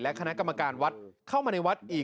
คณะกรรมการวัดเข้ามาในวัดอีก